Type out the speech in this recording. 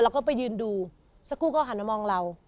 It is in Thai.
แล้วก็ไปยืนดูสักครู่ก็หันมามองเรา